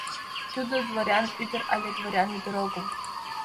Тудо дворян ӱдыр але дворян ӱдыр огыл?